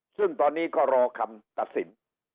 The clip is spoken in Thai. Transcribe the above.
ซึ่งตอนนี้ก็รอคำตัดสิน